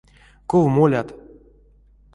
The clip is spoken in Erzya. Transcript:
Ков молят?